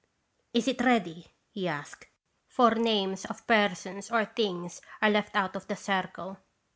"' Is it ready?' he asked; for names of per sons or things are left out of the Circle.